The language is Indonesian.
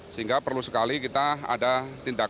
sehingga perlu sekali kita ada tindakan